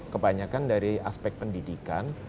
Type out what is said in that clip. kebanyakan dari aspek pendidikan